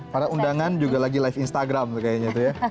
para undangan juga lagi live instagram kayaknya itu ya